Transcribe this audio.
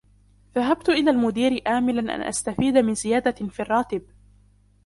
ذهبت إلى المدير آملا أن أستفيد من زيادة في الراتب.